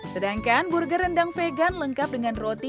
sedangkan burger rendang vegan lengkap dengan roti